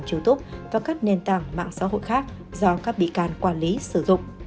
youtube và các nền tảng mạng xã hội khác do các bị can quản lý sử dụng